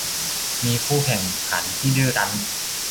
มีคู่แข่งขันที่ดื้อรั้น